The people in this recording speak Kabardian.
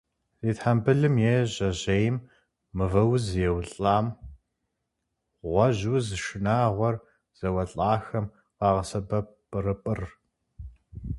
Зи тхьэмбылым е жьэжьейм мывэуз еуэлӏам, гъуэжь уз шынагъуэр зэуэлӏахэм къагъэсэбэп пӏырыпӏыр.